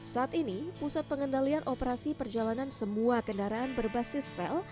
saat ini pusat pengendalian operasi perjalanan semua kendaraan berbasis rel